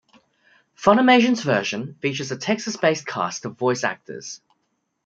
Funimation's version features a Texas-based cast of voice actors.